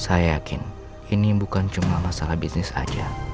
saya yakin ini bukan cuma masalah bisnis saja